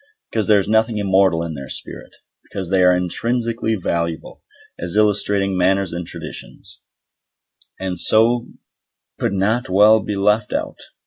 Because there is nothing immoral in their spirit. Because they are intrinsically valuable, as illustrating manners and traditions, and so could not well be left out.